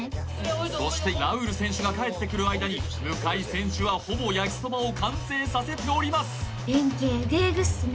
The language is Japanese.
そしてラウール選手が帰ってくる間に向井選手はほぼ焼きそばを完成させております連携エグエグっすね